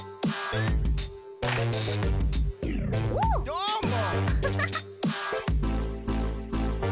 どーも！